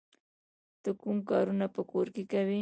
ته کوم کارونه په کور کې کوې؟